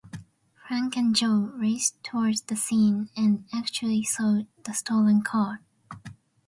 Frank and Joe raced towards the scene and actually saw the stolen car.